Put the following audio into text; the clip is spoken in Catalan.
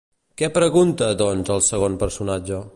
Què pregunta, doncs, el segon personatge?